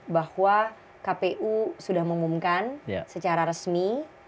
bahwa kpu sudah mengumumkan secara resmi